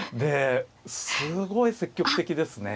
すごい積極的ですね。